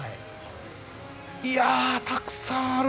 いやたくさんある！